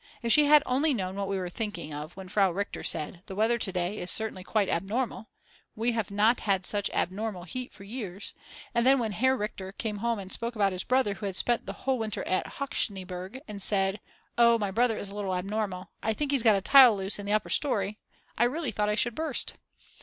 If she had only known what we were thinking of when Frau Richter said, the weather to day is certainly quite abnormal; we have not had such abnormal heat for years. And then when Herr Richter came home and spoke about his brother who had spent the whole winter at Hochschneeberg and said: Oh, my brother is a little abnormal, I think he's got a tile loose in the upper storey, I really thought I should burst.